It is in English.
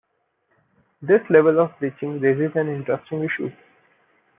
This level of breaching raises an interesting issue.